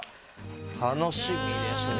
楽しみですね。